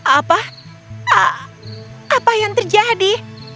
apa apa yang terjadi